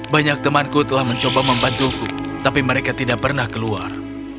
banyak temanku telah mencoba membantuku tapi mereka tidak pernah keluar